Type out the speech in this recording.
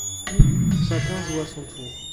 Puis, chacun joue à son tour.